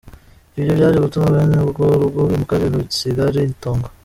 Ibyo byaje gutuma bene urwo rugo bimuka, barusiga ari itongo.